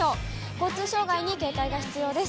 交通障害に警戒が必要です。